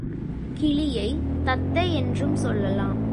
கிளியைத் தத்தை என்றும் சொல்லலாம்.